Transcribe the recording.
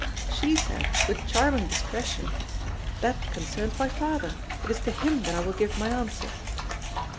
"She said, with charming discretion, 'That concerns my father. It is to him that I will give my answer.'"